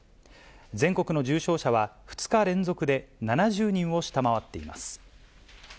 全国の重症者は、２日連続で７０人を下回っています。